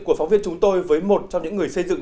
của phóng viên chúng tôi với một trong những người xây dựng